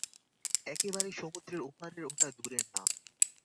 একেবারে সমুদ্রের ওপারের ওটা দূরের নাম।